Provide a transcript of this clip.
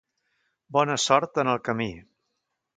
Bona sort en el camí